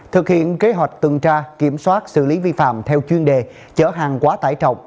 thực hiện kế hoạch tuần tra kiểm soát xử lý vi phạm theo chuyên đề chở hàng quá tải trọng